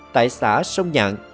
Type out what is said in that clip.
tại xã sông nhạn